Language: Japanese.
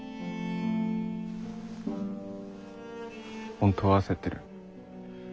本当は焦ってる。